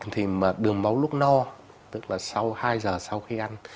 thì mà đường máu lúc no tức là hai giờ sau khi ăn